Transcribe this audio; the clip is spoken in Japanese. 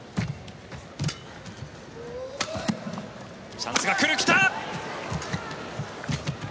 チャンスが来た！